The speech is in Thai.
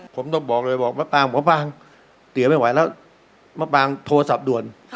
ค่ะน้ำในหัวเนอะไม่เท่ากัน